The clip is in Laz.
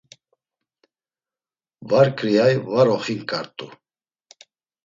Var ǩriyay var oxinǩart̆u.